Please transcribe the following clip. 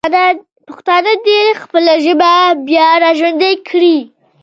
پښتانه دې خپله ژبه بیا راژوندی کړي.